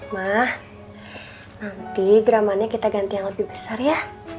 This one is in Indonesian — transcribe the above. mah nanti gramannya kita ganti yang lebih besar ya